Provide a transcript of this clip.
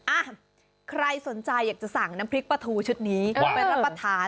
อ่ะใครสนใจอยากจะสั่งน้ำพริกปลาทูชุดนี้ไปรับประทาน